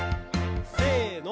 せの。